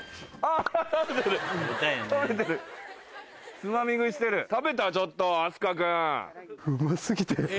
つまみ食いしてる食べたちょっと阿須加君。